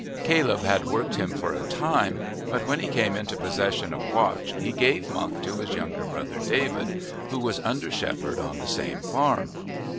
Caleb had worked him for a time, but when he came into possession of Watch he gave Monk to his younger brother David, who was under shepherd on the same farm.